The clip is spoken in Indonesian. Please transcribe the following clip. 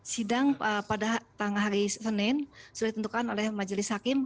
sidang pada hari senin sudah ditentukan oleh majelis hakim